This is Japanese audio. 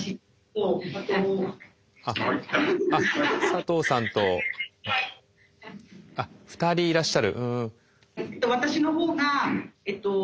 あっ佐藤さんと。あっ２人いらっしゃる。